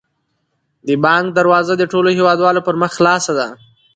د بانک دروازه د ټولو هیوادوالو پر مخ خلاصه ده.